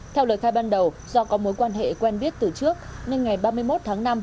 theo lời khai ban đầu do có mối quan hệ quen biết từ trước nên ngày ba mươi một tháng năm